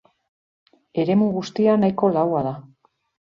Eremu guztia nahiko laua da.